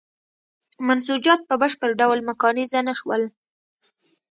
منسوجات په بشپړ ډول میکانیزه نه شول.